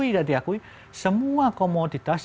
tidak diakui semua komoditas